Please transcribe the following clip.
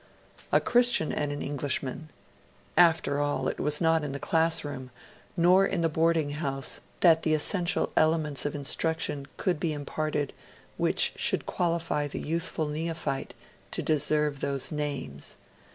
A Christian and an Englishman! After all, it was not in the classroom, nor in the boarding house, that the essential elements of instruction could be imparted which should qualify the youthful neophyte to deserve those names.